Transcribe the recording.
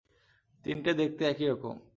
তিনটে দেখতে একইরকম।